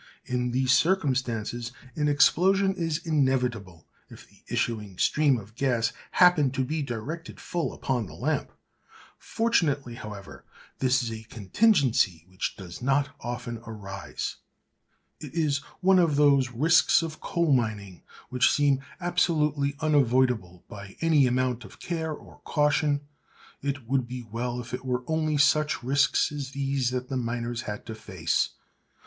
In these circumstances an explosion is inevitable, if the issuing stream of gas happen to be directed full upon the lamp. Fortunately, however, this is a contingency which does not often arise. It is one of those risks of coal mining which seem absolutely unavoidable by any amount of care or caution. It would be well if it were only such risks as these that the miner had to face.